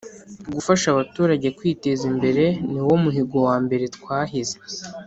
Gufasha abaturage kwiteza imbere niwo muhigo wa mbere twahize